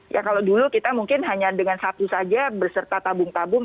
ya kalau dulu kita mungkin hanya dengan satu saja berserta tabung tabung